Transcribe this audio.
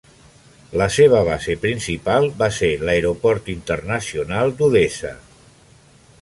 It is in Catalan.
La seva base principal va ser l'aeroport internacional d'Odessa.